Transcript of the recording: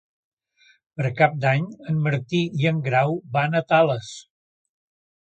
Per Cap d'Any en Martí i en Grau van a Tales.